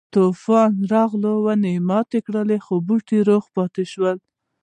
طوفان راغی او ونه یې ماته کړه خو بوټی روغ پاتې شو.